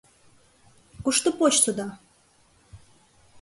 — Кушто почтыда?